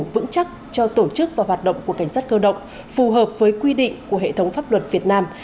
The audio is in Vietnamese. vững chắc cho tổ chức và hoạt động của cảnh sát cơ động phù hợp với quy định của hệ thống pháp luật việt nam